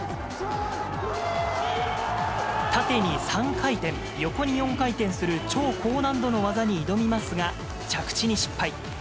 縦に３回転、横に４回転する超高難度の技に挑みますが、着地に失敗。